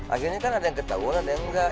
akhirnya kan ada yang ketahuan ada yang enggak